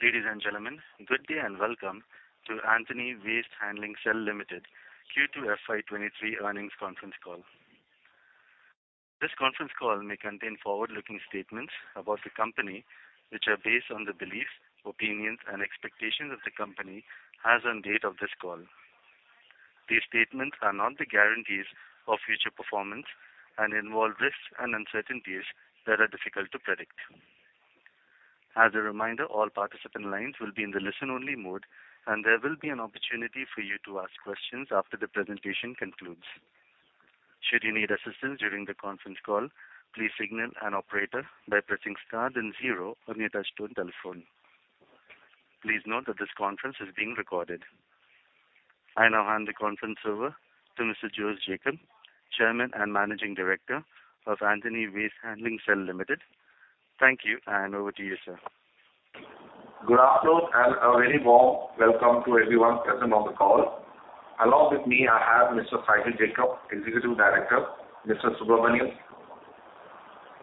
Ladies and gentlemen, good day and welcome to Antony Waste Handling Cell Limited Q2 FY23 Earnings Conference Call. This conference call may contain forward-looking statements about the company, which are based on the beliefs, opinions and expectations of the company as on date of this call. These statements are not the guarantees of future performance and involve risks and uncertainties that are difficult to predict. As a reminder, all participant lines will be in the listen-only mode and there will be an opportunity for you to ask questions after the presentation concludes. Should you need assistance during the conference call, please signal an operator by pressing star then zero on your touch-tone telephone. Please note that this conference is being recorded. I now hand the conference over to Mr. Jose Jacob, Chairman and Managing Director of Antony Waste Handling Cell Limited. Thank you and over to you, sir. Good afternoon and a very warm welcome to everyone present on the call. Along with me, I have Mr. Shiju Jacob Kallarakal, Executive Director, Mr. N. G. Subramanian,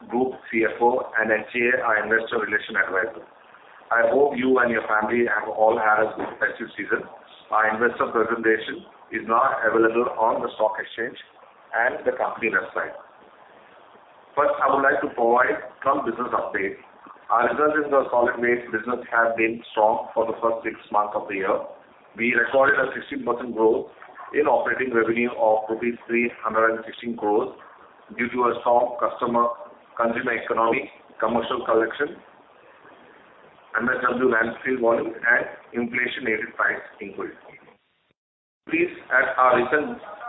Group CFO and SGA, our Investor Relations Advisor. I hope you and your family have all had a good festive season. Our investor presentation is now available on the stock exchange and the company website. First, I would like to provide some business update. Our results in the solid waste business have been strong for the first six months of the year. We recorded a 16% growth in operating revenue of rupees 316 crores due to a strong customer consumption, economic, commercial collection, MSW landfill volume and inflation-related price increase.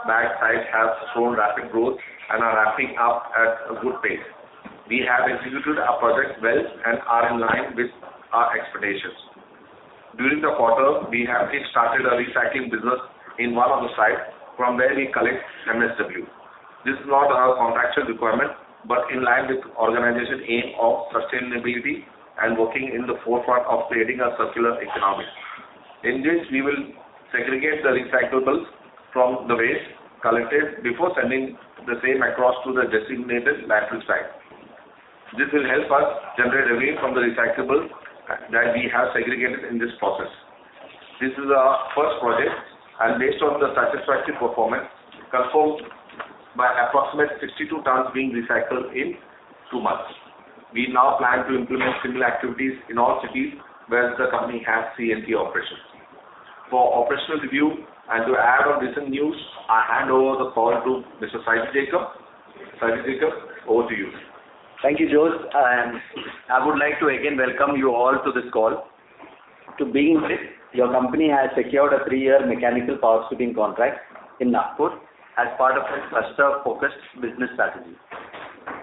Plus, our recent projects have shown rapid growth and are ramping up at a good pace. We have executed our project well and are in line with our expectations. During the quarter, we have kick-started a recycling business in one of the sites from where we collect MSW. This is not our contractual requirement, but in line with organization aim of sustainability and working in the forefront of creating a circular economy. In this, we will segregate the recyclables from the waste collected before sending the same across to the designated landfill site. This will help us generate revenue from the recyclable that we have segregated in this process. This is our first project and based on the satisfactory performance performed by approximately 62 tons being recycled in two months. We now plan to implement similar activities in all cities where the company has C&T operations. For operational review and to add on recent news, I hand over the call to Mr. Shiju Jacob Kallarakal. Shiju Jacob Kallarakal, over to you. Thank you, Jose Jacob. I would like to again welcome you all to this call. To begin with, your company has secured a three-year mechanical power sweeping contract in Nagpur as part of a cluster-focused business strategy.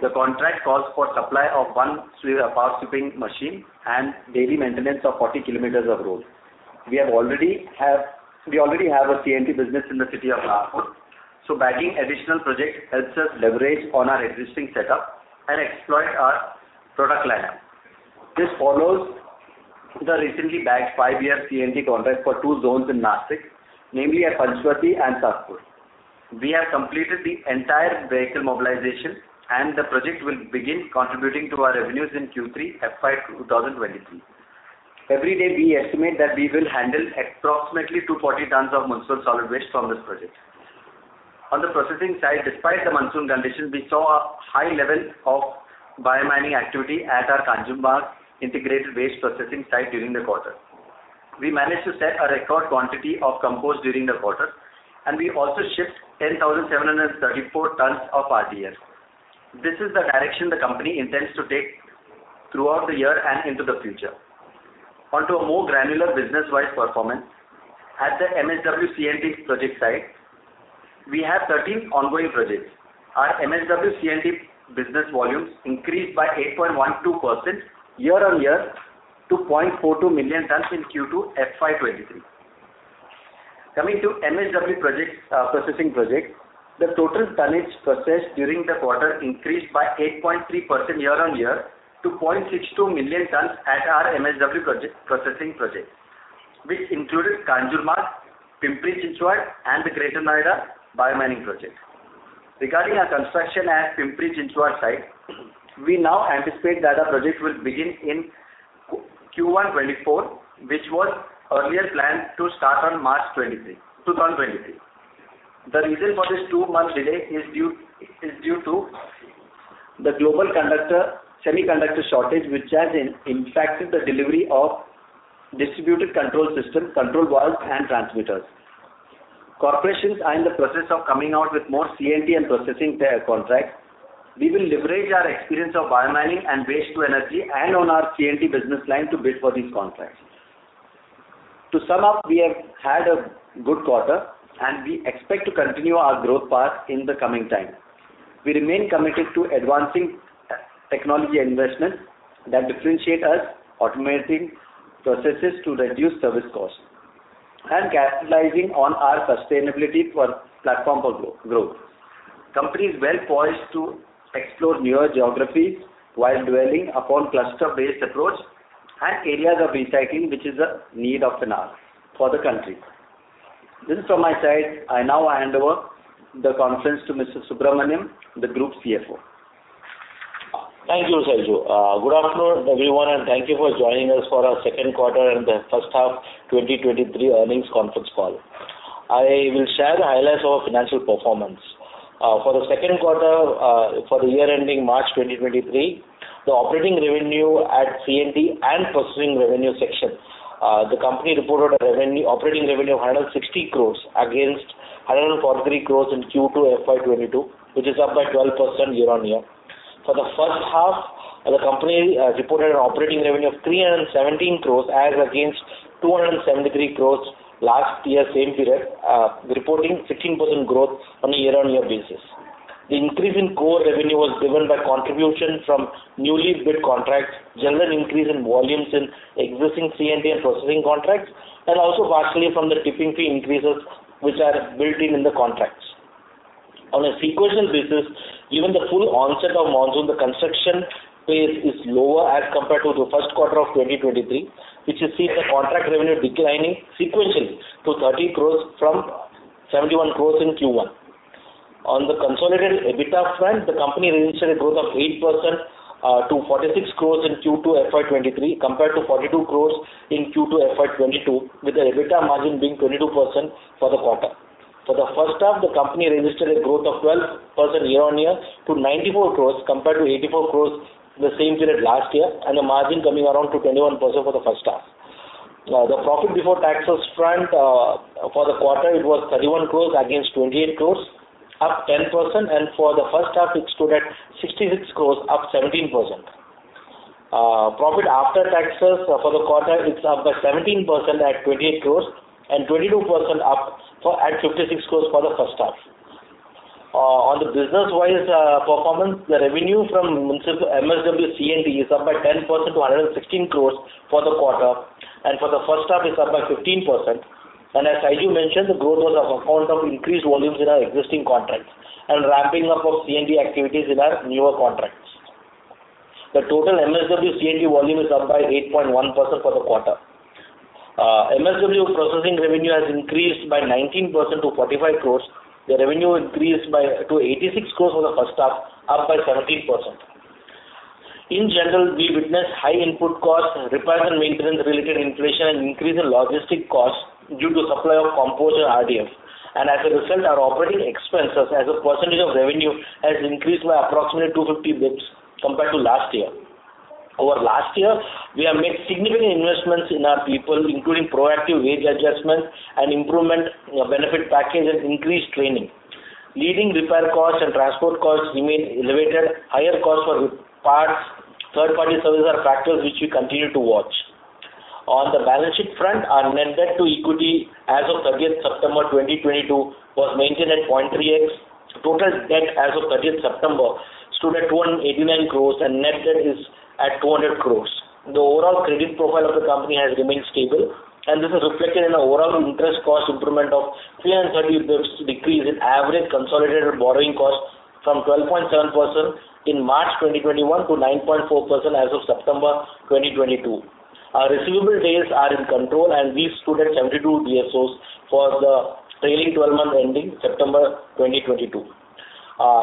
The contract calls for supply of one power sweeping machine and daily maintenance of 40 kilometers of road. We already have a CNT business in the city of Nagpur, so bagging additional project helps us leverage on our existing setup and exploit our product lineup. This follows the recently bagged five-year CNT contract for two zones in Nashik, namely at Panchavati and Satpur. We have completed the entire vehicle mobilization, and the project will begin contributing to our revenues in Q3 FY 2023. Every day we estimate that we will handle approximately 240 tons of municipal solid waste from this project. On the processing side, despite the monsoon conditions, we saw a high level of bio-mining activity at our Kanjurmarg Integrated Waste Processing site during the quarter. We managed to set a record quantity of compost during the quarter, and we also shipped 10,734 tons of RDF. This is the direction the company intends to take throughout the year and into the future. Onto a more granular business-wise performance. At the MSW C&T project site, we have 13 ongoing projects. Our MSW C&T business volumes increased by 8.12% year-on-year to 0.42 million tons in Q2 FY 2023. Coming to MSW processing project, the total tonnage processed during the quarter increased by 8.3% year-on-year to 0.62 million tons at our MSW processing project, which included Kanjurmarg, Pimpri-Chinchwad and the Greater Noida bio-mining project. Regarding our construction at Pimpri-Chinchwad site, we now anticipate that our project will begin in Q1 2024, which was earlier planned to start on 23 March, 2023. The reason for this two-month delay is due to the global semiconductor shortage, which has impacted the delivery of distributed control system, control valves and transmitters. Corporations are in the process of coming out with more C&T and processing contracts. We will leverage our experience of bio-mining and waste-to-energy and on our C&T business line to bid for these contracts. To sum up, we have had a good quarter and we expect to continue our growth path in the coming time. We remain committed to advancing technology investment that differentiate us automating processes to reduce service costs and capitalizing on our sustainability-focused platform for growth. Company is well poised to explore newer geographies while dwelling upon cluster-based approach and areas of recycling which is a need of the hour for the country. This is from my side. I now hand over the conference to Mr. Subramanian, the Group CFO. Thank you, Shiju. Good afternoon, everyone, and thank you for joining us for our Q2 and the first half 2023 Earnings Conference Call. I will share the highlights of our financial performance. For the Q2, for the year ending March 2023, the operating revenue at C&T and processing revenue section, the company reported operating revenue of 160 crores against 143 crores in Q2 FY 2022, which is up by 12% year-on-year. For the first half, the company reported an operating revenue of 317 crores as against 273 crores last year same period, reporting 15% growth on a year-on-year basis. The increase in core revenue was driven by contribution from newly bid contracts, general increase in volumes in existing C&T and processing contracts, and also partially from the tipping fee increases which are built in the contracts. On a sequential basis, given the full onset of monsoon, the construction pace is lower as compared to the Q1 of 2023, which has seen the contract revenue declining sequentially to 30 crore from 71 crore in Q1. On the consolidated EBITDA front, the company registered a growth of 8% to 46 crore in Q2 FY 2023 compared to 42 crore in Q2 FY 2022, with the EBITDA margin being 22% for the quarter. For the first half, the company registered a growth of 12% year-on-year to 94 crores compared to 84 crores the same period last year, and the margin coming around to 21% for the first half. Now the profit before taxes front, for the quarter it was 31 crores against 28 crores, up 10%. For the first half, it stood at 66 crores, up 17%. Profit after taxes for the quarter, it's up by 17% at 28 crores and 22% up for the first half at 56 crores for the first half. On the business-wise performance, the revenue from municipal MSW C&T is up by 10% to 116 crores for the quarter. For the first half, it's up by 15%. As Shiju mentioned, the growth was on account of increased volumes in our existing contracts and ramping up of C&T activities in our newer contracts. The total MSW C&T volume is up by 8.1% for the quarter. MSW processing revenue has increased by 19% to 45 crore. The revenue increased to 86 crore for the first half, up by 17%. In general, we witnessed high input costs, repair and maintenance related inflation, and increase in logistic costs due to supply of compost and RDF. As a result, our operating expenses as a percentage of revenue has increased by approximately 250 basis points compared to last year. Over last year, we have made significant investments in our people, including proactive wage adjustments and improvement of benefit packages, increased training. Leading repair costs and transport costs remain elevated. Higher costs for parts, third-party services are factors which we continue to watch. On the balance sheet front, our net debt to equity as of 30 September 2022 was maintained at 0.3x. Total debt as of 30 September stood at 289 crore, and net debt is at 200 crore. The overall credit profile of the company has remained stable, and this is reflected in the overall interest cost improvement of 330 basis points decrease in average consolidated borrowing costs from 12.7% in March 2021 to 9.4% as of September 2022. Our receivable days are in control, and we stood at 72 DSOs for the trailing twelve months ending September 2022.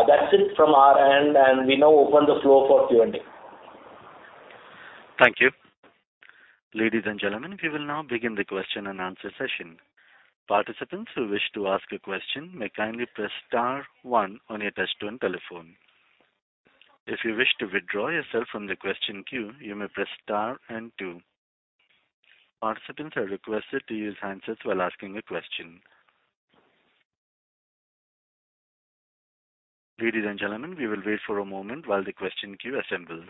That's it from our end. We now open the floor for Q&A. Thank you. Ladies and gentlemen, we will now begin the question-and-answer session. Participants who wish to ask a question may kindly press star one on your touchtone telephone. If you wish to withdraw yourself from the question queue, you may press star and two. Participants are requested to use handsets while asking a question. Ladies and gentlemen, we will wait for a moment while the question queue assembles.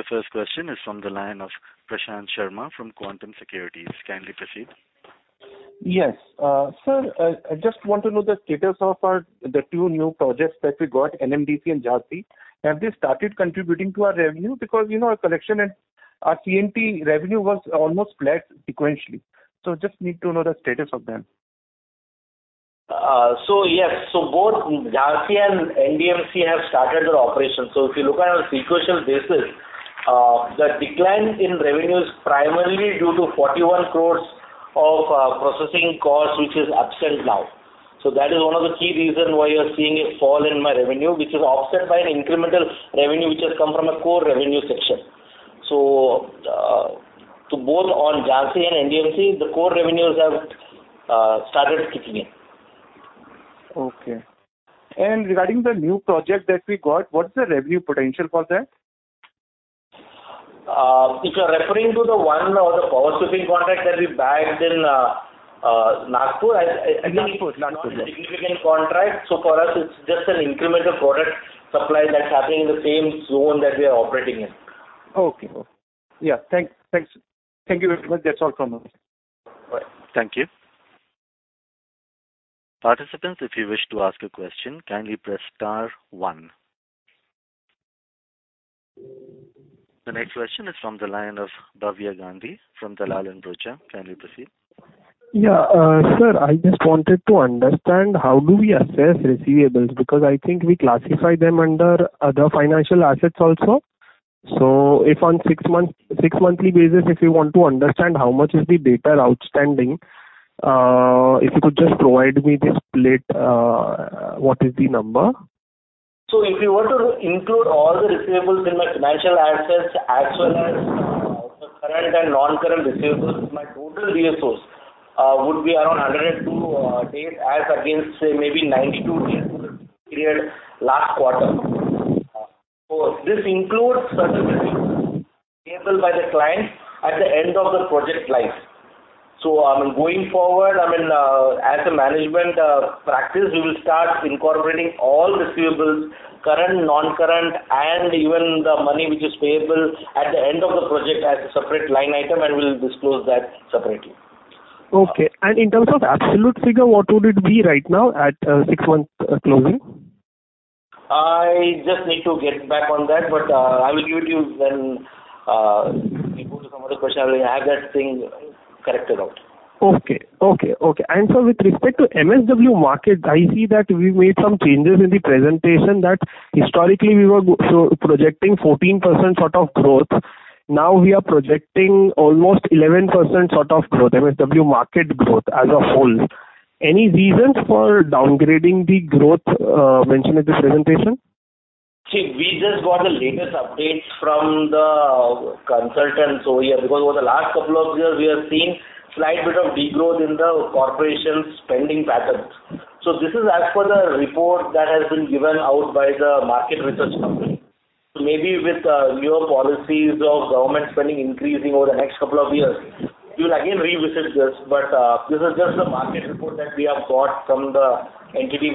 The first question is from the line of Prashant Sharma from Quantum Securities. Kindly proceed. Yes. Sir, I just want to know the status of the two new projects that we got, NDMC and Jhansi. Have they started contributing to our revenue? Because, you know, our collection and our C&T revenue was almost flat sequentially. Just need to know the status of them. Both Jhansi and NDMC have started their operations. If you look at it on a sequential basis, the decline in revenue is primarily due to 41 crores of processing costs, which is absent now. That is one of the key reason why you're seeing a fall in my revenue, which is offset by an incremental revenue which has come from a core revenue section. From both Jhansi and NDMC, the core revenues have started kicking in. Okay. Regarding the new project that we got, what is the revenue potential for that? If you're referring to the one or the power sweeping contract that we bagged in Nagpur, I think. Nagpur, yes. It's not a significant contract. For us it's just an incremental product supply that's happening in the same zone that we are operating in. Okay. Yeah. Thanks. Thank you very much. That's all from us. All right. Thank you. Participants, if you wish to ask a question, kindly press star one. The next question is from the line of Bhavya Gandhi from Dalal & Broacha. Kindly proceed. Yeah, sir, I just wanted to understand how do we assess receivables, because I think we classify them under other financial assets also. If on six-monthly basis, if you want to understand how much is the debt outstanding, if you could just provide me the split, what is the number? If you were to include all the receivables in my financial assets as well as the current and non-current receivables, my total receivables would be around 102 days as against say maybe 92 days period last quarter. I mean, going forward, I mean, as a management practice, we will start incorporating all receivables, current, non-current, and even the money which is payable at the end of the project as a separate line item, and we'll disclose that separately. Okay. In terms of absolute figure, what would it be right now at six months closing? I just need to get back on that, but I will give it to you when we go to some other question. I will have that thing corrected out. Okay. With respect to MSW market, I see that we made some changes in the presentation that historically we were projecting 14% sort of growth. Now we are projecting almost 11% sort of growth, MSW market growth as a whole. Any reasons for downgrading the growth mentioned in this presentation? See, we just got the latest updates from the consultants over here, because over the last couple of years we have seen slight bit of degrowth in the corporation spending patterns. This is as per the report that has been given out by the market research company. Maybe with newer policies or government spending increasing over the next couple of years, we will again revisit this. This is just the market report that we have got from the entity.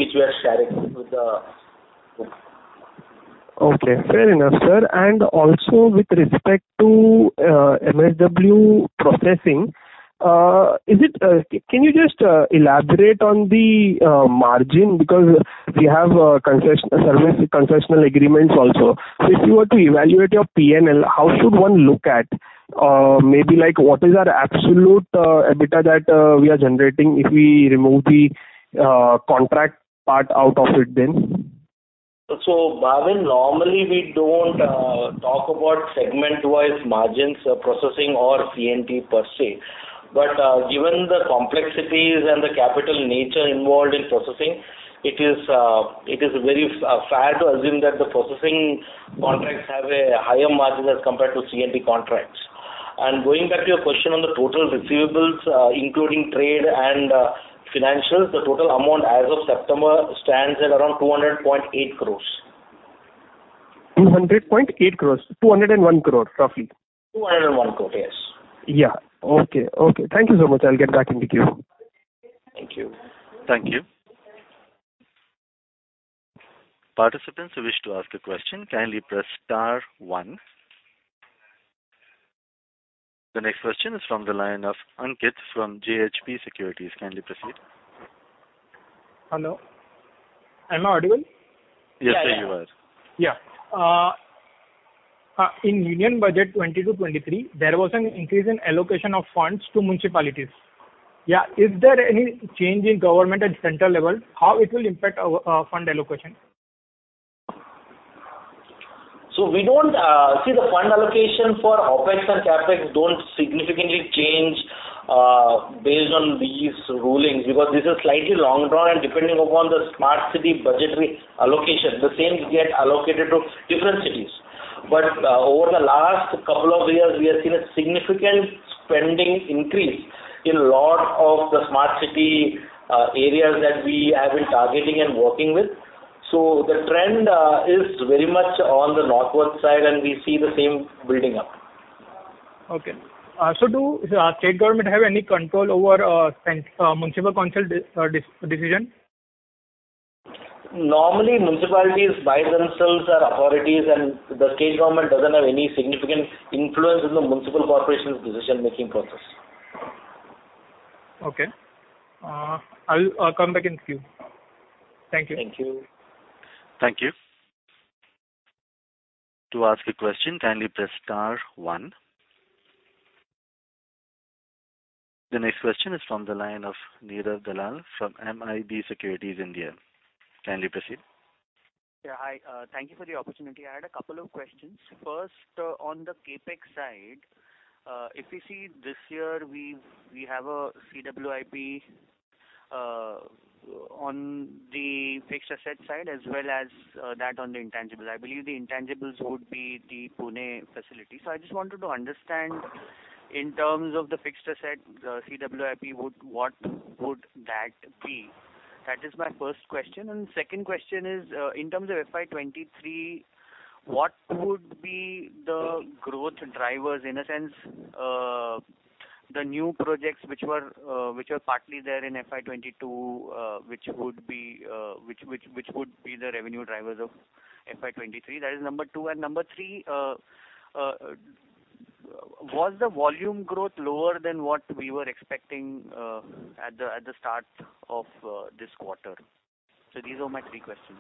Okay. Fair enough, sir. Also with respect to MSW processing, can you just elaborate on the margin? Because we have concession service concession agreements also. If you were to evaluate your P&L, how should one look at maybe like what is our absolute EBITDA that we are generating if we remove the contract part out of it then? Bhavya Gandhi, normally we don't talk about segment-wise margins, processing or CNT per se. Given the complexities and the capital nature involved in processing, it is very fair to assume that the processing contracts have a higher margin as compared to CNT contracts. Going back to your question on the total receivables, including trade and financials, the total amount as of September stands at around 200.8 crores. 200.8 crore. 201 crore, roughly. 201 crore, yes. Yeah. Okay. Thank you so much. I'll get back into queue. Thank you. Thank you. Participants who wish to ask a question, kindly press star one. The next question is from the line of Ankit from JHP Securities. Kindly proceed. Hello. Am I audible? Yes, sir, you are. In Union Budget 2020-2023, there was an increase in allocation of funds to municipalities. Is there any change in government at central level, how it will impact our fund allocation? We don't see the fund allocation for OpEx and CapEx don't significantly change based on these rulings because this is slightly long drawn and depending upon the smart city budgetary allocation, the same get allocated to different cities. Over the last couple of years, we have seen a significant spending increase in a lot of the smart city areas that we have been targeting and working with. The trend is very much on the northward side, and we see the same building up. Do state government have any control over municipal council decision? Normally, municipalities by themselves are authorities and the state government doesn't have any significant influence in the municipal corporation's decision-making process. Okay. I'll come back in queue. Thank you. Thank you. Thank you. To ask a question, kindly press star one. The next question is from the line of Neerav Dalal from MID Securities India. Kindly proceed. Yeah. Hi, thank you for the opportunity. I had a couple of questions. First, on the CapEx side, if you see this year, we have a CWIP on the fixed asset side as well as that on the intangible. I believe the intangibles would be the Pune facility. So I just wanted to understand in terms of the fixed asset, the CWIP, what would that be? That is my first question. Second question is, in terms of FY 2023, what would be the growth drivers, in a sense, the new projects which were partly there in FY 2022, which would be the revenue drivers of FY 2023? That is number two. Number three, was the volume growth lower than what we were expecting, at the start of this quarter? These are my three questions.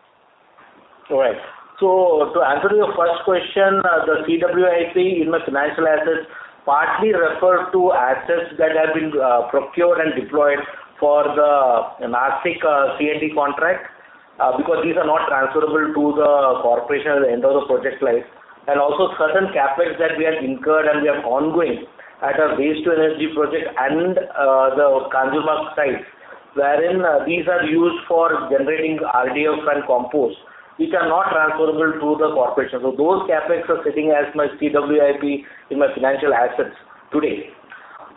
All right. To answer your first question, the CWIP in my financial assets partly referred to assets that have been procured and deployed for the Nashik CNT contract because these are not transferable to the corporation at the end of the project life. certain CapEx that we have incurred and we have ongoing at our waste to energy project and the Kanjurmarg site, wherein these are used for generating RDF and compost, which are not transferable to the corporation. those CapEx are sitting as my CWIP in my financial assets today.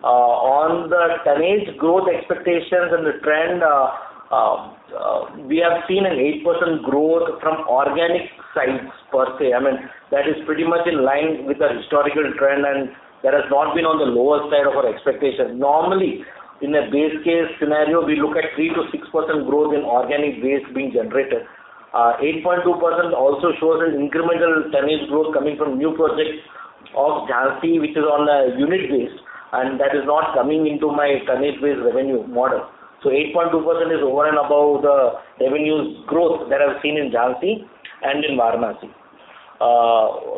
On the tonnage growth expectations and the trend, we have seen an 8% growth from organic sites per se. I mean, that is pretty much in line with the historical trend, and that has not been on the lower side of our expectation. Normally, in a base case scenario, we look at 3%-6% growth in organic waste being generated. 8.2% also shows an incremental tonnage growth coming from new projects of Jhansi, which is on a unit base, and that is not coming into my tonnage waste revenue model. 8.2% is over and above the revenues growth that I've seen in Jhansi and in Varanasi.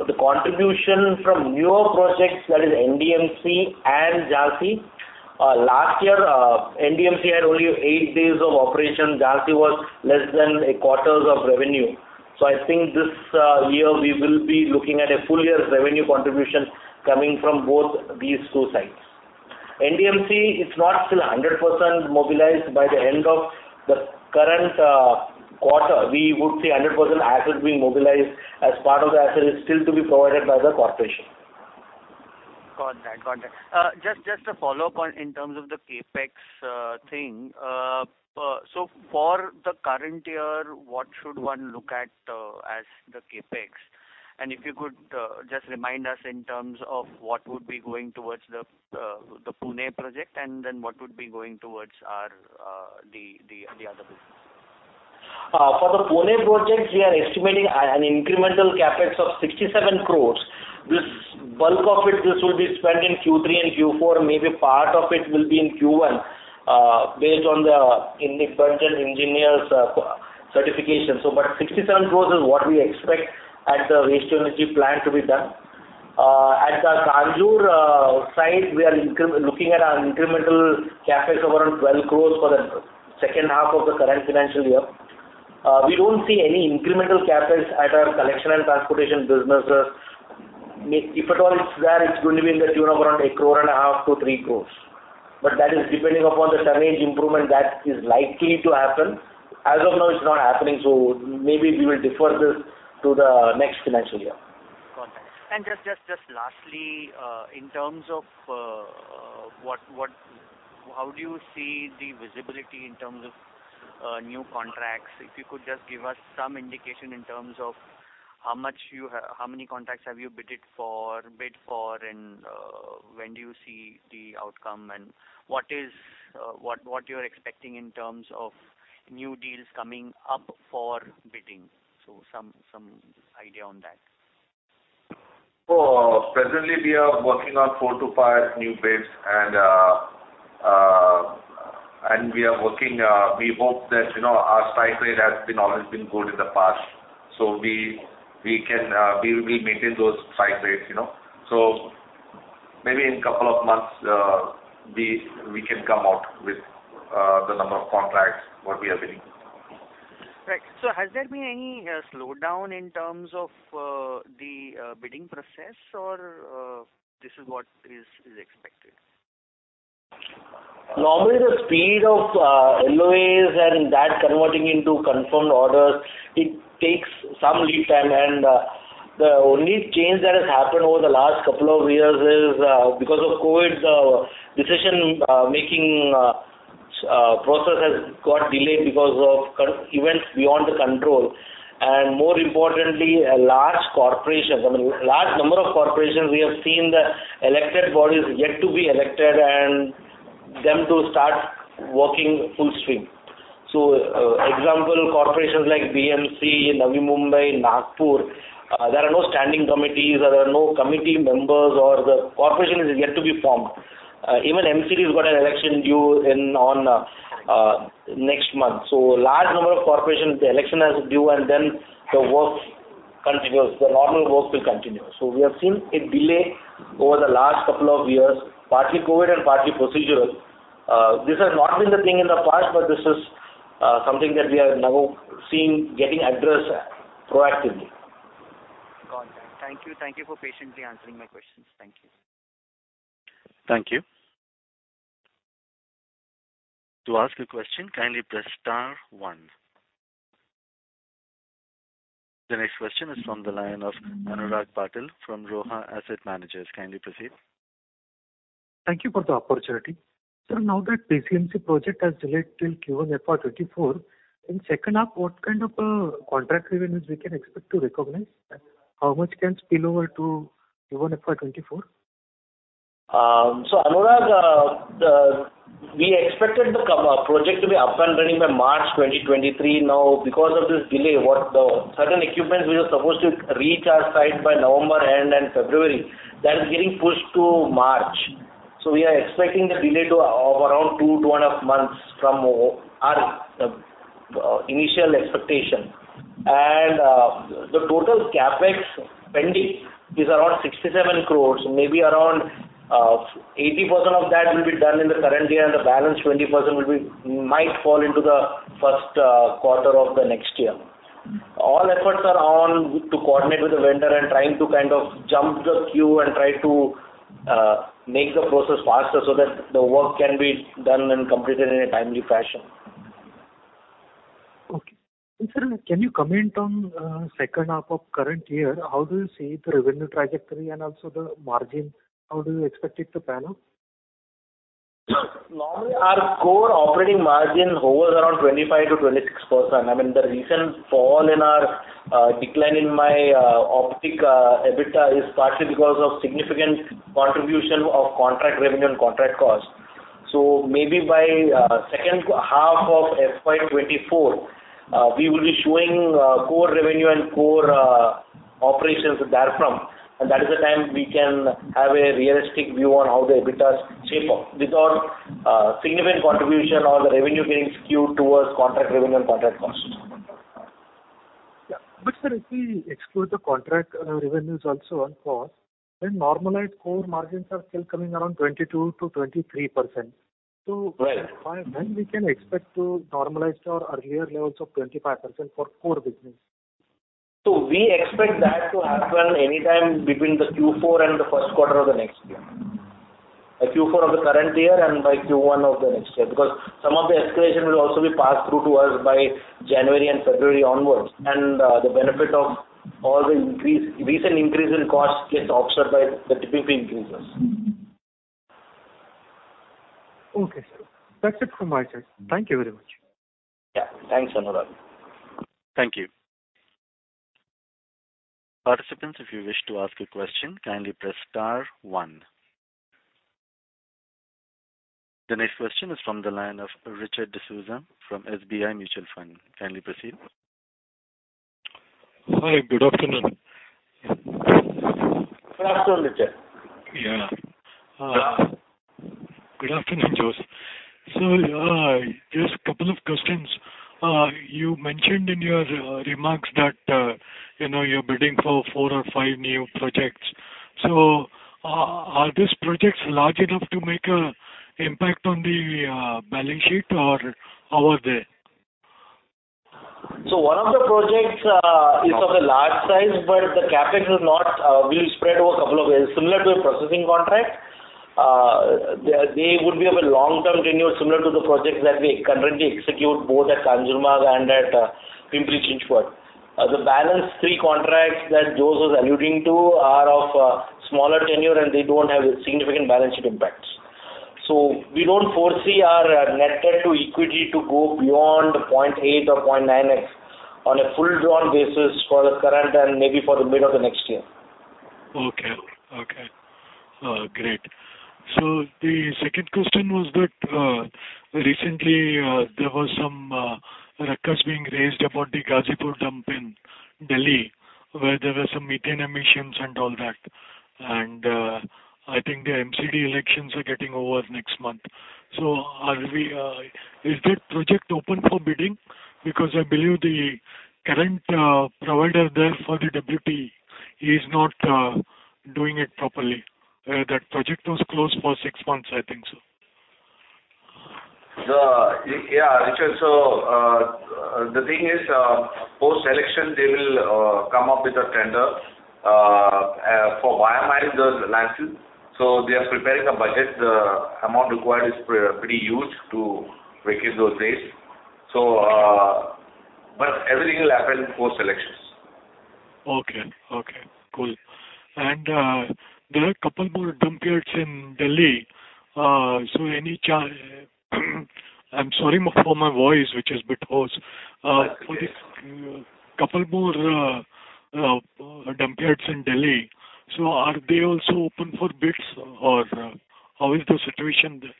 The contribution from newer projects, that is NDMC and Jhansi, last year, NDMC had only eight days of operation. Jhansi was less than a quarter of revenue. I think this year we will be looking at a full year's revenue contribution coming from both these two sites. NDMC is not still 100% mobilized by the end of the current quarter. We would say 100% assets being mobilized as part of the asset is still to be provided by the corporation. Got that. Just a follow-up on, in terms of the CapEx thing. For the current year, what should one look at as the CapEx? If you could just remind us in terms of what would be going towards the Pune project, and then what would be going towards our other business. For the Pune project, we are estimating an incremental CapEx of 67 crores. The bulk of it, this will be spent in Q3 and Q4. Maybe part of it will be in Q1, based on the independent engineer's certification. sixty-seven crores is what we expect at the waste-to-energy plant to be done. At the Kanjur site, we are looking at an incremental CapEx of around 12 crores for the second half of the current financial year. We don't see any incremental CapEx at our collection and transportation businesses. If at all it's there, it's going to be in the tune of around 1.5 crores-3 crores. That is depending upon the tonnage improvement that is likely to happen. As of now, it's not happening, so maybe we will defer this to the next financial year. Got that. Just lastly, in terms of how do you see the visibility in terms of new contracts? If you could just give us some indication in terms of how many contracts have you bid for, and when do you see the outcome and what you're expecting in terms of new deals coming up for bidding? Some idea on that. Presently we are working on four to five new bids and we hope that, you know, our strike rate has always been good in the past. We will maintain those strike rates, you know. Maybe in couple of months, we can come out with the number of contracts what we are bidding. Right. Has there been any slowdown in terms of the bidding process or this is what is expected? Normally the speed of LOAs and that converting into confirmed orders, it takes some lead time. The only change that has happened over the last couple of years is because of COVID, decision making process has got delayed because of events beyond the control. More importantly, a large corporation, I mean, large number of corporations, we have seen the elected bodies yet to be elected and them to start working full swing. For example, corporations like BMC, Navi Mumbai, Nagpur, there are no standing committees, there are no committee members or the corporation is yet to be formed. Even MCD has got an election due next month. Large number of corporations, the elections are due and then the work continues. The normal work will continue. We have seen a delay over the last couple of years, partly COVID and partly procedural. This has not been the thing in the past, but this is something that we have now seen getting addressed proactively. Got that. Thank you. Thank you for patiently answering my questions. Thank you. Thank you. To ask a question, kindly press star one. The next question is from the line of Anurag Patil from Roha Asset Managers. Kindly proceed. Thank you for the opportunity. Sir, now that PCMC project has delayed till Q1 FY 2024, in second half, what kind of a contract revenues we can expect to recognize? How much can spill over to Q1 FY 2024? Anurag, we expected the project to be up and running by March 2023. Now, because of this delay, with the certain equipment that was supposed to reach our site by November end and February, that is getting pushed to March. We are expecting the delay to two, two and a half months from our initial expectation. The total CapEx pending is around 67 crore, maybe around 80% of that will be done in the current year, and the balance 20% might fall into the Q1 of the next year. All efforts are on to coordinate with the vendor and trying to kind of jump the queue and try to make the process faster so that the work can be done and completed in a timely fashion. Okay. Sir, can you comment on second half of current year? How do you see the revenue trajectory and also the margin? How do you expect it to pan out? Normally, our core operating margin hovers around 25%-26%. I mean, the recent decline in our EBITDA is partly because of significant contribution of contract revenue and contract cost. Maybe by second half of FY 2024, we will be showing core revenue and core operations therefrom, and that is the time we can have a realistic view on how the EBITDA shape up without significant contribution or the revenue getting skewed towards contract revenue and contract costs. Sir, if we exclude the contract revenues also on cost, then normalized core margins are still coming around 22%-23%. Right. When can we expect to normalize to our earlier levels of 25% for core business? We expect that to happen anytime between the Q4 and the Q1 of the next year. By Q4 of the current year and by Q1 of the next year, because some of the escalation will also be passed through to us by January and February onwards. The benefit of all the increase, recent increase in cost gets offset by the TPP increases. Okay, sir. That's it from my side. Thank you very much. Yeah. Thanks, Anurag. Thank you. Participants, if you wish to ask a question, kindly press star one. The next question is from the line of Richard D'Souza from SBI Mutual Fund. Kindly proceed. Hi, good afternoon. Good afternoon, Richard. Yeah. Good afternoon, Jose Jacob. Just couple of questions. You mentioned in your remarks that, you know, you're bidding for four or five new projects. Are these projects large enough to make an impact on the balance sheet or how are they? One of the projects is of a large size, but the CapEx will spread over a couple of years, similar to a processing contract. They would be of a long-term tenure similar to the projects that we currently execute both at Kanjurmarg and at Pimpri-Chinchwad. The balance three contracts that Jose Jacob was alluding to are of smaller tenure, and they don't have a significant balance sheet impact. We don't foresee our net debt to equity to go beyond 0.8x or 0.9x on a full drawn basis for the current and maybe for the mid of the next year. Okay. Great. The second question was that, recently, there was some ruckus being raised about the Ghazipur dump in Delhi, where there were some methane emissions and all that. I think the MCD elections are getting over next month. Are we? Is that project open for bidding? Because I believe the current provider there for the WTE is not doing it properly. That project was closed for six months, I think so. Yeah, Richard. The thing is, post-election, they will come up with a tender for bio-mining those landfills. They are preparing a budget. The amount required is pretty huge to vacate those wastes. But everything will happen post elections. Okay. Okay, cool. There are a couple more dump yards in Delhi. I'm sorry for my voice, which is a bit hoarse. That's okay. For this couple more dump yards in Delhi. Are they also open for bids or how is the situation there?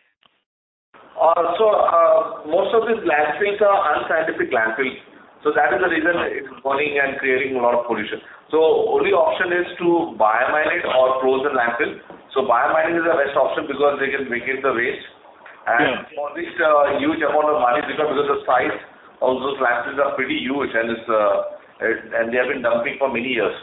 Most of these landfills are unscientific landfills, so that is the reason it's burning and creating a lot of pollution. Only option is to bio-mine it or close the landfill. Bio-mining is the best option because they can vacate the waste. Yeah. For this, huge amount of money is required because the size of those landfills are pretty huge and it's and they have been dumping for many years.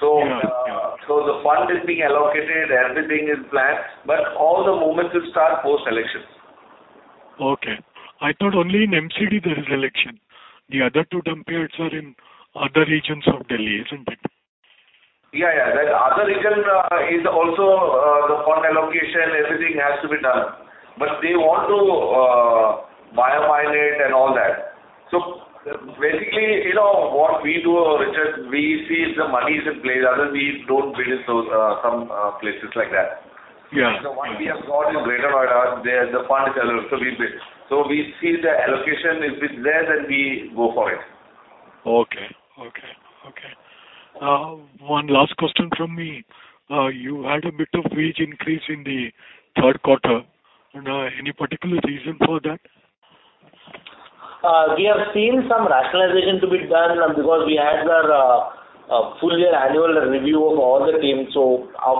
Yeah. Yeah. The fund is being allocated, everything is planned, but all the movements will start post elections. Okay. I thought only in MCD there is election. The other two dump yards are in other regions of Delhi, isn't it? Yeah, yeah. The other region is also the fund allocation, everything has to be done. They want to bio-mine it and all that. Basically, you know what we do, Richard, we see if the money is in place, otherwise we don't bid in those some places like that. Yeah. The one we have got in Greater Noida, there the fund is allocated, so we bid. We see if the allocation is there, then we go for it. Okay. One last question from me. You had a bit of wage increase in the Q3. Any particular reason for that? We have seen some rationalization to be done, because we had our full year annual review of all the teams. Of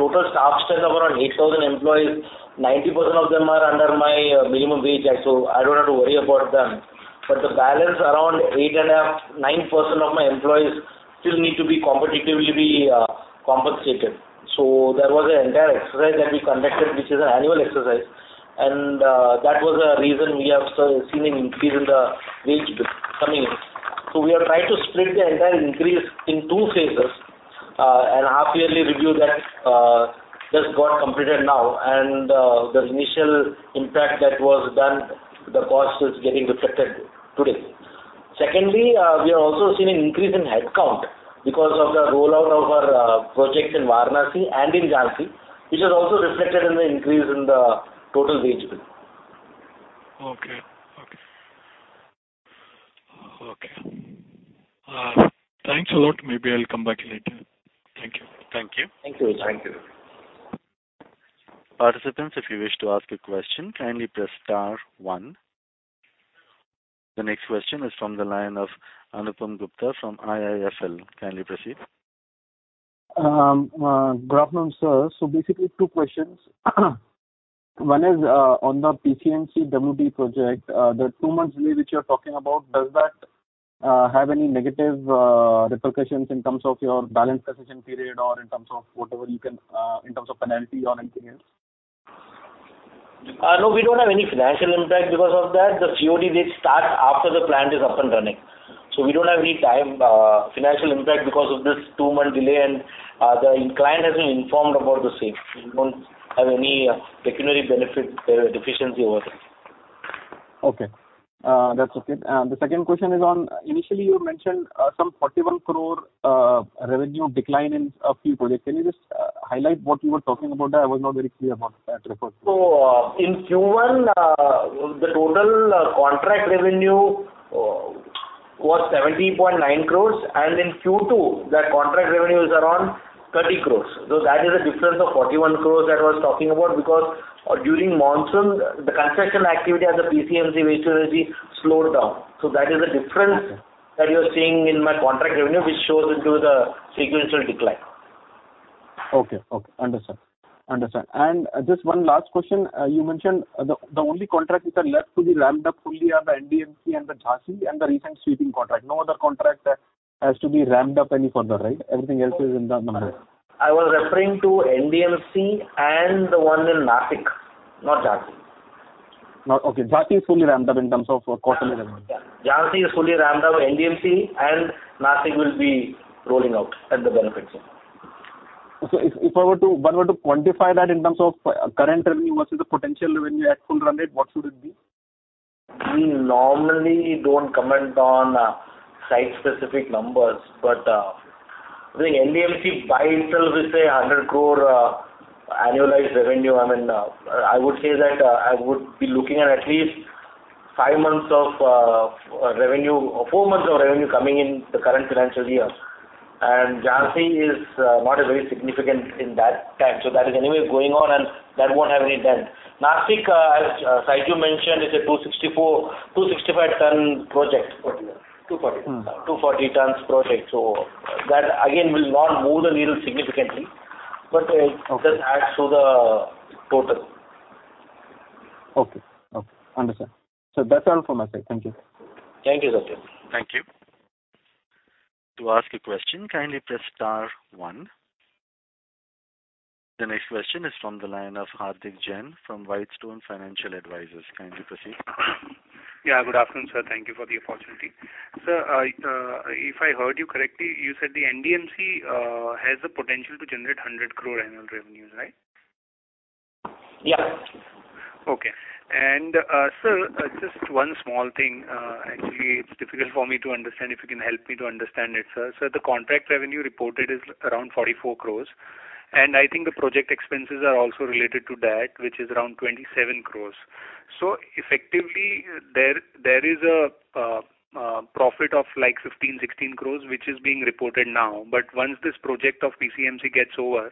total staff strength of around 8,000 employees, 90% of them are under the Minimum Wages Act, 1948, so I don't have to worry about them. The balance around 8.5%-9% of my employees still need to be competitively compensated. There was an entire exercise that we conducted, which is an annual exercise. That was the reason we have seen an increase in the wage bill coming in. We are trying to split the entire increase in two phases. A half-yearly review that just got completed now. The initial impact that was done, the cost is getting reflected today. Secondly, we have also seen an increase in head count because of the rollout of our project in Varanasi and in Jhansi, which is also reflected in the increase in the total wage bill. Okay. Thanks a lot. Maybe I'll come back later. Thank you. Thank you. Thank you. Participants, if you wish to ask a question, kindly press star one. The next question is from the line of Anupam Gupta from IIFL. Kindly proceed. Good afternoon, sir. Basically two questions. One is on the PCMC WTE project. The two months delay which you're talking about, does that have any negative repercussions in terms of your balance concession period or in terms of whatever you can in terms of penalty or anything else? No, we don't have any financial impact because of that. The COD date starts after the plant is up and running. We don't have any time financial impact because of this two-month delay. The client has been informed about the same. We don't have any pecuniary benefit deficiency over there. Okay. That's okay. The second question is on initially you mentioned some 41 crore revenue decline in a few projects. Can you just highlight what you were talking about there? I was not very clear about that reference. In Q1, the total contract revenue was 70.9 crores, and in Q2, the contract revenue is around 30 crores. That is a difference of 41 crores that I was talking about because during monsoon the construction activity at the PCMC wastewater has been slowed down. That is the difference that you're seeing in my contract revenue, which shows into the sequential decline. Just one last question. You mentioned the only contract which are left to be ramped up fully are the NDMC and the Jhansi and the recent sweeping contract. No other contract has to be ramped up any further, right? Everything else is in the numbers. I was referring to NDMC and the one in Nashik, not Jhansi. Jhansi is fully ramped up in terms of quarterly revenue. Yeah. Jhansi is fully ramped up, NDMC and Nashik will be rolling out the benefits. If one were to quantify that in terms of current revenue versus the potential revenue at full run rate, what should it be? We normally don't comment on site-specific numbers. I think NDMC by itself is 100 crore annualized revenue. I mean, I would say that I would be looking at least five months of revenue or four months of revenue coming in the current financial year. Jhansi is not a very significant in that time. That is anyway going on and that won't have any dent. Nashik, as Shiju mentioned, is a 264-265 ton project. 240. 240. 240 tons project. That again will not move the needle significantly, but. Okay. Just adds to the total. Okay. Understand. That's all from my side. Thank you. Thank you, Anupam. Thank you. To ask a question, kindly press star one. The next question is from the line of Hardik Jain from Whitestone Financial Advisors. Kindly proceed. Yeah, good afternoon, sir. Thank you for the opportunity. Sir, if I heard you correctly, you said the NDMC has the potential to generate 100 crore annual revenues, right? Yeah. Okay. Sir, just one small thing. Actually it's difficult for me to understand if you can help me to understand it, sir. The contract revenue reported is around 44 crore, and I think the project expenses are also related to that, which is around 27 crore. Effectively there is a profit of like 15 crore, 16 crore, which is being reported now. Once this project of PCMC gets over,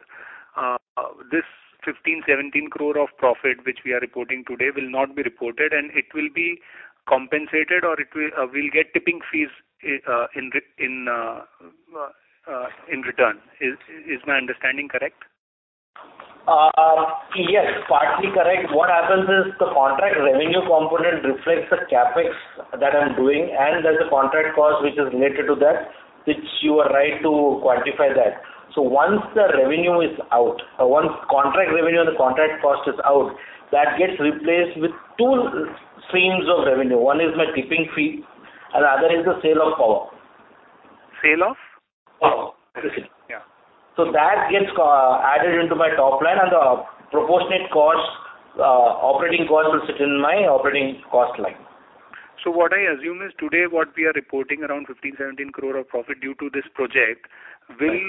this 15 crore, 17 crore of profit which we are reporting today will not be reported and it will be compensated or we'll get tipping fees in return. Is my understanding correct? Yes, partly correct. What happens is the contract revenue component reflects the CapEx that I'm doing, and there's a contract cost which is related to that, which you are right to quantify that. Once the revenue is out or once contract revenue or the contract cost is out, that gets replaced with two streams of revenue. One is my tipping fee and the other is the sale of power. Sale of? Power. Yeah. That gets added into my top line and the proportionate cost, operating cost will sit in my operating cost line. What I assume is today what we are reporting around 15 crore-17 crore of profit due to this project will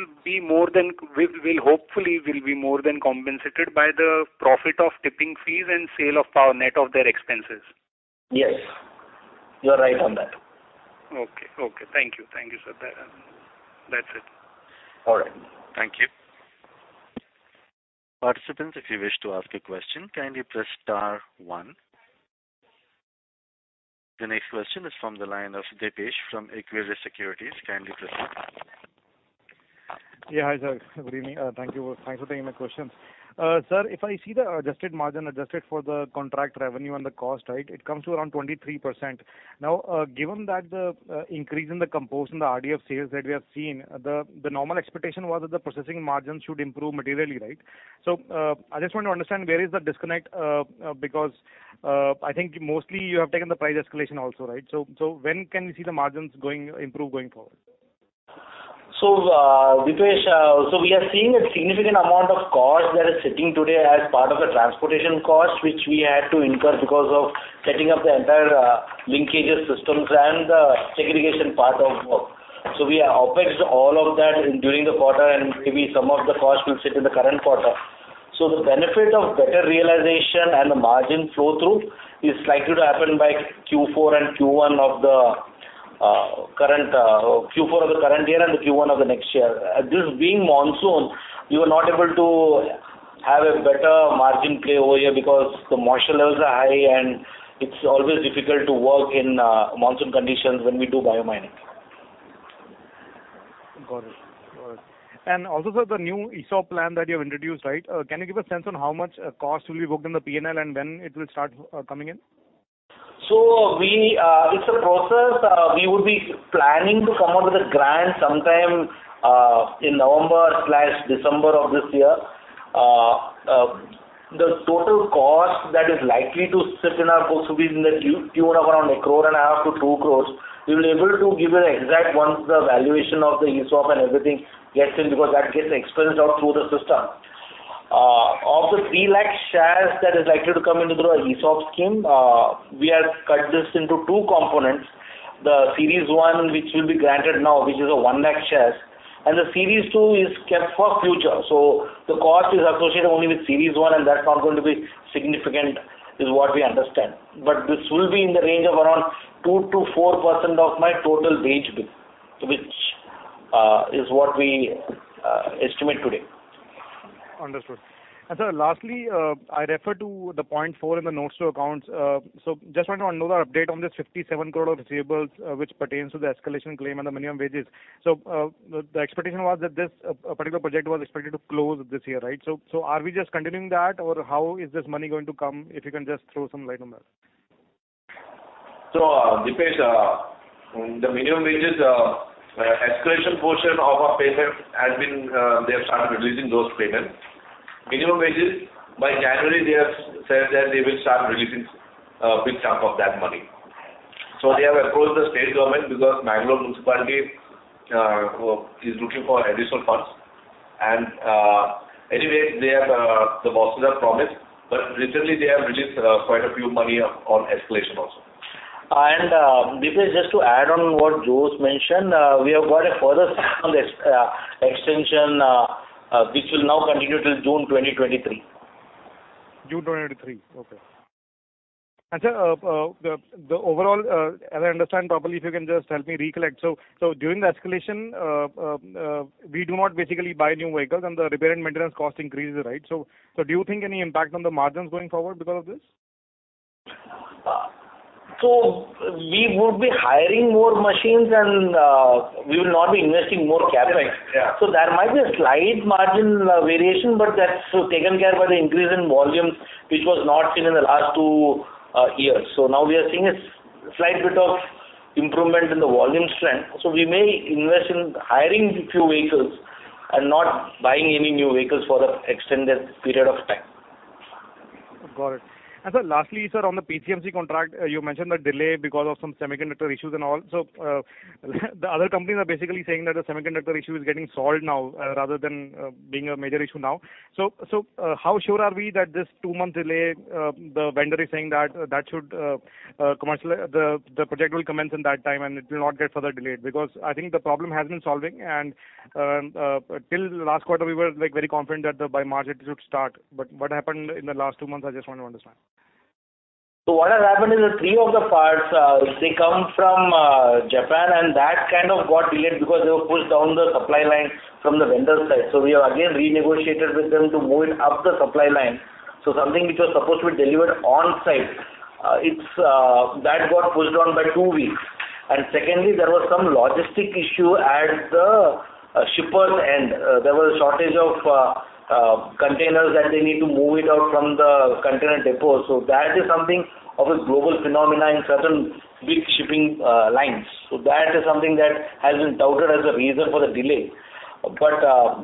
hopefully be more than compensated by the profit of tipping fees and sale of power net of their expenses. Yes, you are right on that. Okay. Thank you. Thank you, sir. That, that's it. All right. Thank you. Participants, if you wish to ask a question, kindly press star one. The next question is from the line of Dipesh from Aquarius Securities. Kindly proceed. Yeah. Hi, sir. Good evening. Thank you. Thanks for taking my questions. Sir, if I see the adjusted margin adjusted for the contract revenue and the cost, right, it comes to around 23%. Now, given that the increase in the compost and the RDF sales that we have seen, the normal expectation was that the processing margins should improve materially, right? I just want to understand where is the disconnect, because I think mostly you have taken the price escalation also, right? When can we see the margins improve going forward? Dipesh, we are seeing a significant amount of cost that is sitting today as part of the transportation cost, which we had to incur because of setting up the entire linkages systems and the segregation part of work. We have OPEX all of that in during the quarter, and maybe some of the cost will sit in the current quarter. The benefit of better realization and the margin flow through is likely to happen by Q4 and Q1 of the current Q4 of the current year and the Q1 of the next year. This being monsoon, you are not able to have a better margin play over here because the moisture levels are high, and it's always difficult to work in monsoon conditions when we do bio-mining. Got it. Also, sir, the new ESOP plan that you have introduced, right? Can you give a sense on how much cost will be booked in the P&L and when it will start coming in? It's a process. We would be planning to come out with a grant sometime in November/December of this year. The total cost that is likely to sit in our books will be to the tune of around 1.5 crore-2 crores. We will be able to give an exact figure once the valuation of the ESOP and everything gets in because that gets expensed out through the system. Of the 3 lakh shares that is likely to come into the ESOP scheme, we have cut this into two components. The Series 1, which will be granted now, which is 1 lakh shares, and the Series 2 is kept for future. The cost is associated only with Series 1, and that's not going to be significant, is what we understand. This will be in the range of around 2%-4% of my total wage bill, which is what we estimate today. Understood. Sir, lastly, I refer to point four in the notes to accounts. Just want to know the update on this 57 crore receivables, which pertains to the escalation claim and the minimum wages. The expectation was that this particular project was expected to close this year, right? Are we just continuing that or how is this money going to come, if you can just throw some light on that? Dipesh, the minimum wages escalation portion of our payment has been, they have started releasing those payments. Minimum wages, by January, they have said that they will start releasing a big chunk of that money. They have approached the state government because Mangalore Municipality is looking for additional funds. Anyway, the bosses have promised, but recently they have released quite a few money on escalation also. Dipesh, just to add on what Jose mentioned, we have got a further extension, which will now continue till June 2023. June 2023. Okay. Sir, the overall, we do not basically buy new vehicles and the repair and maintenance cost increases, right? Do you think any impact on the margins going forward because of this? We would be hiring more machines and we will not be investing more CapEx. Yeah. There might be a slight margin variation, but that's taken care by the increase in volume, which was not seen in the last two years. Now we are seeing a slight bit of improvement in the volume strength. We may invest in hiring few vehicles and not buying any new vehicles for the extended period of time. Got it. Sir, lastly, sir, on the PCMC contract, you mentioned the delay because of some semiconductor issues and all. The other companies are basically saying that the semiconductor issue is getting solved now, rather than being a major issue now. How sure are we that this two-month delay, the vendor is saying that the project will commence in that time and it will not get further delayed. Because I think the problem has been solved and till the last quarter we were, like, very confident that by March it should start. What happened in the last two months, I just want to understand. What has happened is that three of the parts, they come from Japan, and that kind of got delayed because they were pushed down the supply line from the vendor side. We have again renegotiated with them to move it up the supply line. Something which was supposed to be delivered on site. That got pushed on by two weeks. Secondly, there was some logistic issue at the shipper's end. There was a shortage of containers that they need to move it out from the container depot. That is something of a global phenomenon in certain big shipping lines. That is something that has been touted as a reason for the delay.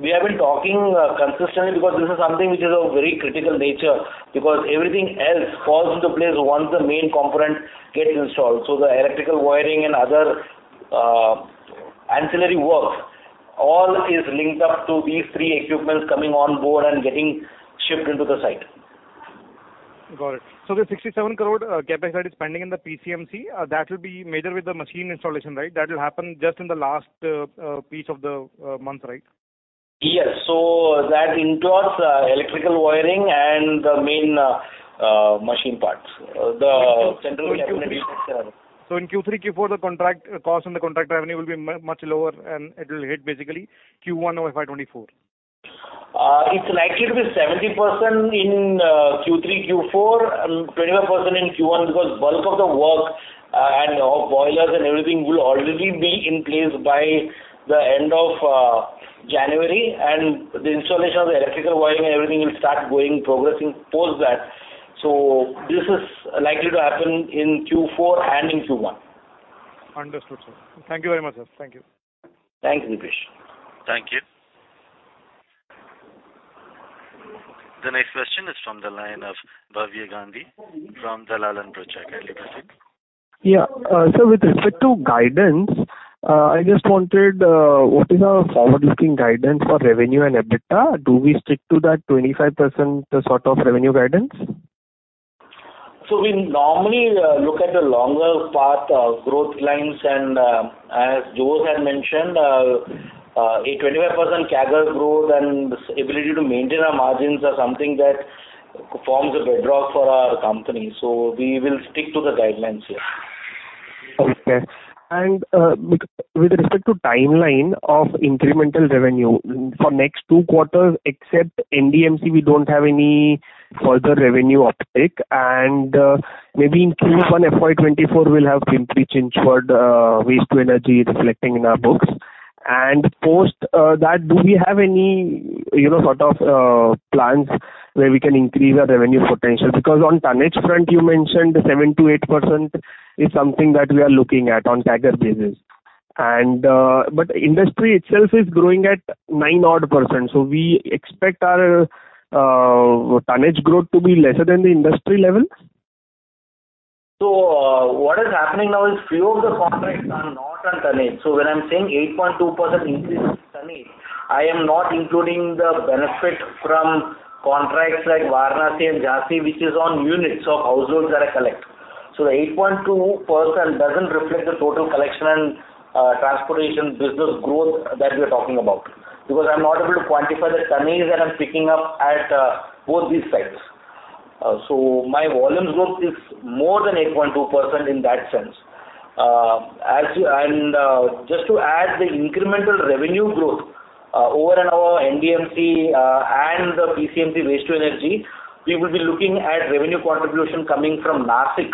We have been talking consistently because this is something which is of very critical nature, because everything else falls into place once the main component gets installed. The electrical wiring and other ancillary work all is linked up to these three equipments coming on board and getting shipped into the site. Got it. The 67 crore CapEx that is pending in the PCMC that will be major with the machine installation, right? That will happen just in the last piece of the month, right? Yes. That includes electrical wiring. The main machine parts. The central- In Q3, Q4, the contract cost and the contract revenue will be much lower, and it will hit basically Q1 FY 2024. It's likely to be 70% in Q3, Q4, and 25% in Q1 because bulk of the work and all boilers and everything will already be in place by the end of January, and the installation of the electrical wiring and everything will start going, progressing post that. This is likely to happen in Q4 and in Q1. Understood, sir. Thank you very much, sir. Thank you. Thanks, Dipesh. Thank you. The next question is from the line of Bhavya Gandhi from Dalal & Broacha. Kindly proceed. With respect to guidance, I just wanted, what is our forward-looking guidance for revenue and EBITDA? Do we stick to that 25% sort of revenue guidance? We normally look at the longer path of growth lines and, as Jose had mentioned, a 25% CAGR growth and this ability to maintain our margins are something that forms a bedrock for our company. We will stick to the guidelines, yes. Okay. With respect to timeline of incremental revenue for next two quarters, except NDMC, we don't have any further revenue uptick. Maybe in Q1 FY 2024, we'll have Pimpri-Chinchwad waste to energy reflecting in our books. Post that, do we have any, you know, sort of plans where we can increase our revenue potential? Because on tonnage front, you mentioned 7%-8% is something that we are looking at on CAGR basis. But industry itself is growing at 9-odd%. We expect our tonnage growth to be lesser than the industry levels? What is happening now is few of the contracts are not on tonnage. When I'm saying 8.2% increase in tonnage, I am not including the benefit from contracts like Varanasi and Jhansi, which is on units of households that I collect. The 8.2% doesn't reflect the total collection and transportation business growth that we are talking about. Because I'm not able to quantify the tonnage that I'm picking up at both these sites. My volume growth is more than 8.2% in that sense. Just to add the incremental revenue growth, over and above NDMC, and the PCMC waste to energy, we will be looking at revenue contribution coming from Nashik,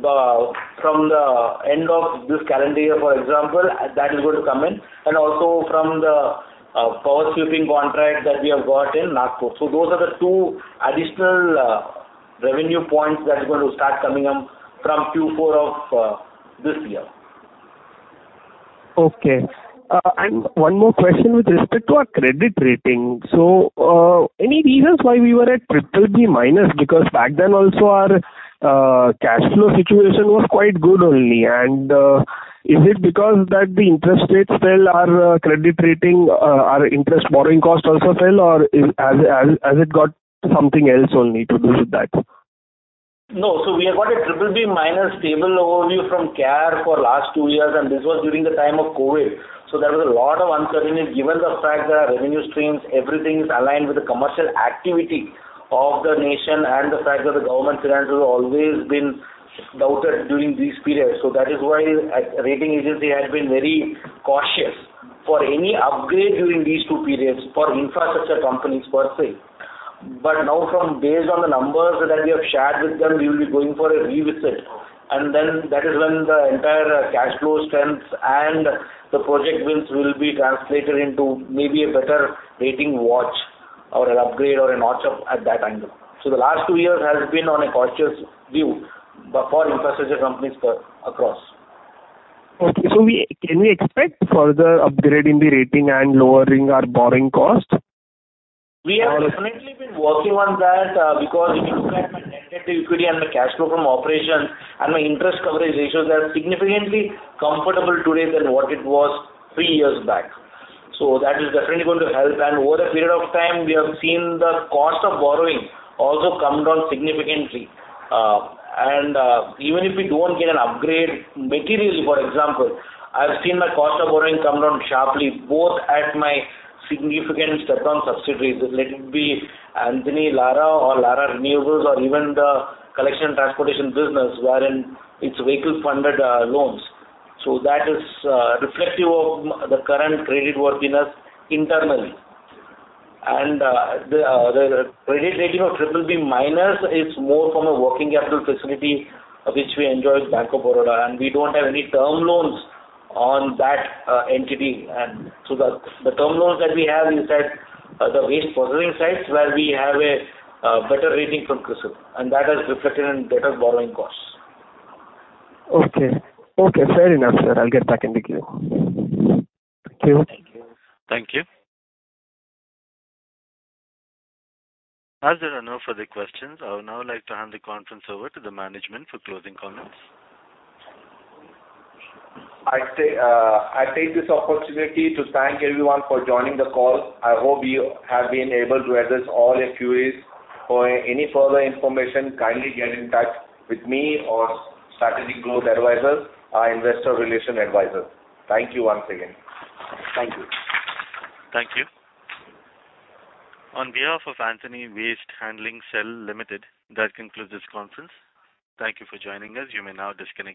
from the end of this calendar year, for example, that is going to come in, and also from the power sweeping contract that we have got in Nagpur. Those are the two additional revenue points that is going to start coming up from Q4 of this year. Okay. One more question with respect to our credit rating. Any reasons why we were at BBB- because back then also our cash flow situation was quite good only. Is it because that the interest rates fell, our credit rating, our interest borrowing cost also fell, or has it got something else only to do with that? No, we have got a BBB- stable outlook from CARE for the last two years, and this was during the time of COVID. There was a lot of uncertainty given the fact that our revenue streams, everything is aligned with the commercial activity of the nation and the fact that the government finance has always been doubted during these periods. That is why a rating agency has been very cautious for any upgrade during these two periods for infrastructure companies per se. Now based on the numbers that we have shared with them, we will be going for a revisit. That is when the entire cash flow strength and the project wins will be translated into maybe a better rating watch or an upgrade or a notch up at that angle. The last two years has been on a cautious view for infrastructure companies across. Okay. Can we expect further upgrade in the rating and lowering our borrowing costs? Or We have definitely been working on that, because if you look at my net debt to equity and my cash flow from operation and my interest coverage ratios are significantly comfortable today than what it was three years back. That is definitely going to help. Over a period of time, we have seen the cost of borrowing also come down significantly. Even if we don't get an upgrade, maturities, for example, I've seen the cost of borrowing come down sharply, both at my significant step-down subsidiaries, let it be Antony Lara or Antony Lara Renewables or even the collection transportation business wherein it's vehicle funded loans. That is reflective of the current creditworthiness internally. The credit rating of BBB- is more from a working capital facility, which we enjoy with Bank of Baroda, and we don't have any term loans on that entity. The term loans that we have is at the waste processing sites where we have a better rating from CRISIL, and that is reflected in better borrowing costs. Okay. Okay, fair enough, sir. I'll get back in the queue. Thank you. Thank you. As there are no further questions, I would now like to hand the conference over to the management for closing comments. I take this opportunity to thank everyone for joining the call. I hope we have been able to address all your queries. For any further information, kindly get in touch with me or Strategic Growth Advisors, our investor relations advisor. Thank you once again. Thank you. Thank you. On behalf of Antony Waste Handling Cell Limited, that concludes this conference. Thank you for joining us. You may now disconnect your-